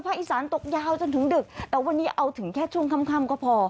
อีสานตกยาวจนถึงดึกแต่วันนี้เอาถึงแค่ช่วงค่ำก็พอ